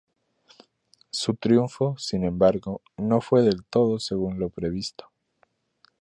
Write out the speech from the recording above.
Su triunfo, sin embargo, no fue del todo según lo previsto.